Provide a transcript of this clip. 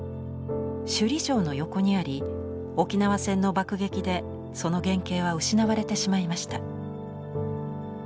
首里城の横にあり沖縄戦の爆撃でその原形は失われてしまいました。